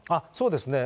そうですね。